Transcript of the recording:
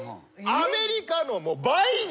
アメリカの倍以上。